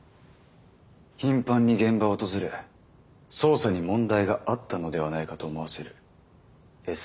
頻繁に現場を訪れ捜査に問題があったのではないかと思わせる餌をまいた。